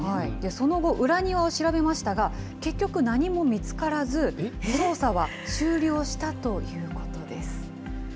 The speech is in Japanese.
その後、裏庭を調べましたが、結局、何も見つからず、捜査は終了したということです。